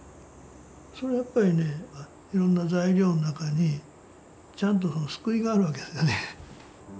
それやっぱりねいろんな材料の中にちゃんと救いがあるわけですよね。